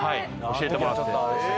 教えてもらって。